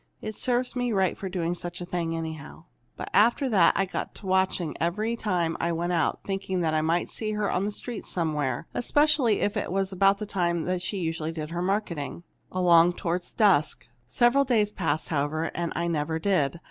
It served me right for doing such a thing, anyhow! "But after that I got to watching, every time I went out, thinking I might see her on the street somewhere, especially if it was about the time she usually did her marketing along toward dusk. Several days passed, however, and I never did.